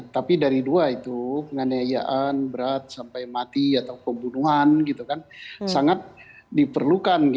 tapi dari dua itu penganiayaan berat sampai mati atau pembunuhan sangat diperlukan